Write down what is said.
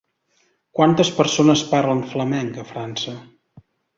Quantes persones parlen flamenc a França?